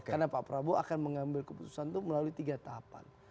karena pak prabowo akan mengambil keputusan itu melalui tiga tahapan